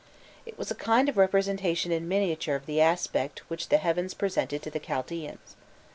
It was a kind of representation in miniature of the aspect which the heavens presented to the Chaldaeans.